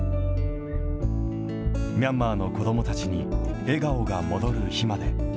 ミャンマーの子どもたちに笑顔が戻る日まで。